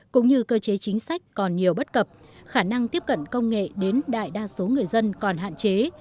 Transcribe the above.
cũng như cơ chế chính sách còn nhiều bất cập khả năng tiếp cận công nghệ đến đại đa số người dân còn hạn chế